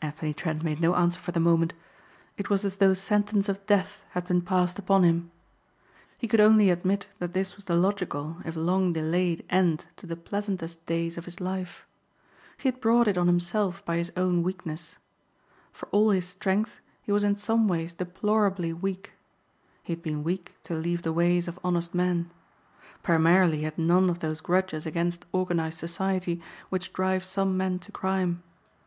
Anthony Trent made no answer for the moment. It was as though sentence of death had been passed upon him. He could only admit that this was the logical if long delayed end to the pleasantest days of his life. He had brought it on himself by his own weakness. For all his strength he was in some ways deplorably weak. He had been weak to leave the ways of honest men. Primarily he had none of those grudges against organized society which drive some men to crime.